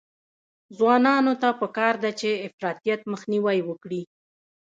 ځوانانو ته پکار ده چې، افراطیت مخنیوی وکړي.